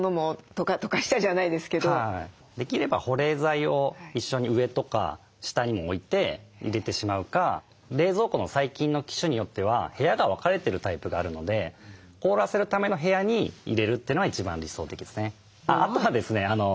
できれば保冷剤を一緒に上とか下にも置いて入れてしまうか冷蔵庫の最近の機種によっては部屋が分かれてるタイプがあるので凍らせるための部屋に入れるというのが一番理想的ですね。